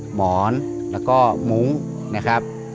หมอนแล้วก็มุ้งนะครับ